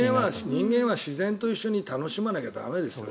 人間は自然と一緒に楽しまないと駄目ですよ。